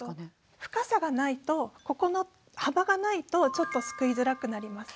深さがないとここの幅がないとちょっとすくいづらくなります。